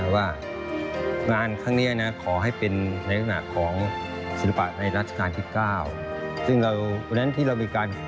เวลาเราออกแบบ